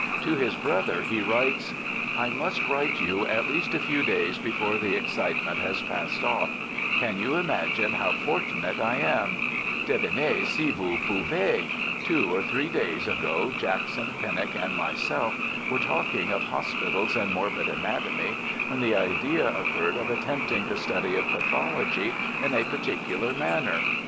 To his brother he writes :' I must write you at least a few days before the excitement has passed off: can you imagine how for tunate I am — devinez si voiis poiivez — two or three days ago, Jackson, Pennock, and myself were talking of hos pitals and morbid anatomy, when the idea occurred of attempting the study of pathology in a particular manner.